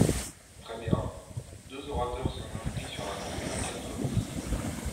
Très bien ! Deux orateurs sont inscrits sur l’article quatre bis.